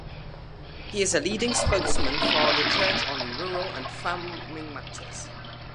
He is a leading spokesman for the church on rural and farming matters.